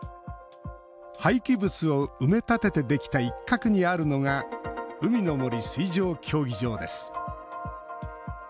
廃棄物を埋め立ててできた一角にあるのが海の森水上競技場です